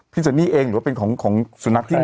พี่ซันนี่เองหรือเป็นของสุนัขที่นี่